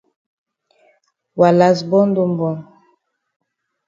Wa kas born don born.